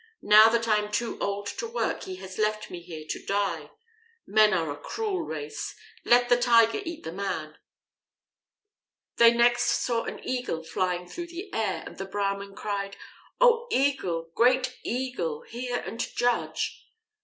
Now that I am too old to work he has left me here to die. Men are a cruel race. Let the Tiger eat the man." They next saw an Eagle flying through the air, and the Brahmin cried: "O Eagle, great Eagle, hear and judge."